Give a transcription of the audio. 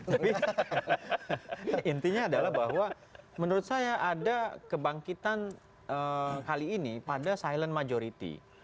tapi intinya adalah bahwa menurut saya ada kebangkitan kali ini pada silent majority